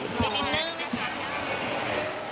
อีกทีนึง